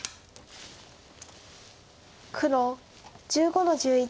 黒１５の十一。